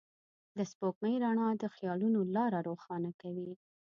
د سپوږمۍ رڼا د خيالونو لاره روښانه کوي.